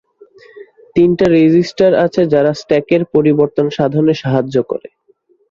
তিনটা রেজিস্টার আছে যারা স্ট্যাক-এর পরিবর্তন সাধনে সাহায্য করে।